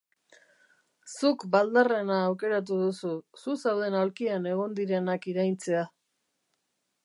Zuk baldarrena aukeratu duzu, zu zauden aulkian egon direnak iraintzea.